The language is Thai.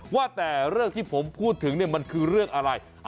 ว่าแต่เรื่องที่ผมพูดถึงเนี่ยมันคือเรื่องอะไร